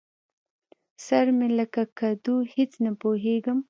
سر مې لکه کدو؛ هېڅ نه پوهېږم.